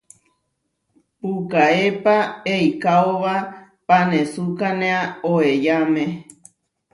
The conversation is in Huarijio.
Puʼkaépa eikaóba panesukánea oeyáme.